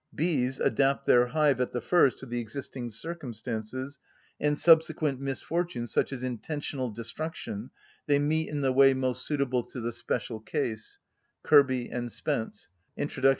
Bees adapt their hive at the first to the existing circumstances, and subsequent misfortunes, such as intentional destruction, they meet in the way most suitable to the special case (Kirby and Spence, _Introduc.